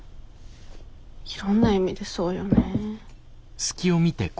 いろんな意味でそうよね。